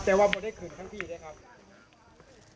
แต่ว่าไม่ได้คืนทั้งที่นะครับ